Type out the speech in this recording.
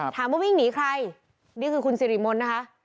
ถามว่าวิ่งหนีใครนี่คือคุณสิริมนต์นะคะ